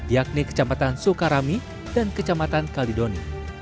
yakni kecamatan soekarami dan kecamatan kaldidoni